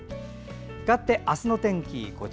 かわって、明日の天気。